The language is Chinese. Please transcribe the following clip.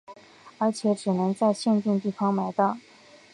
而且只能在限定地方买到。